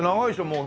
もう。